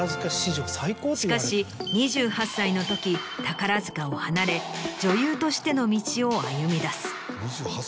しかし２８歳のとき宝塚を離れ女優としての道を歩みだす。